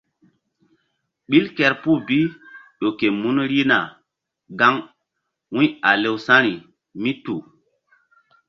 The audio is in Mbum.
Ɓil kerpuh bi ƴo ke mun rihna gaŋ wu̧y a lewsa̧ri mí tu.